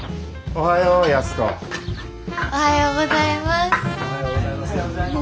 おはようございます。